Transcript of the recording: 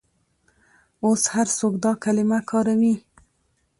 اوس هر څوک دا کلمه کاروي.